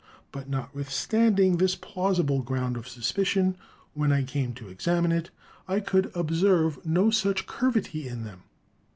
But notwithstanding this plausible ground of suspicion, when I came to ex amine it, I could observe no such curvity in them.